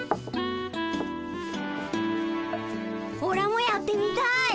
オラもやってみたい。